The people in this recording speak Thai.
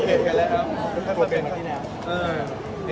จริงมากสุดรวด